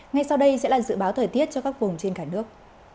ngay sau đây sẽ là dự báo thời tiết cho các vùng trên cả nước